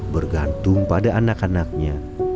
bergantung pada anak anaknya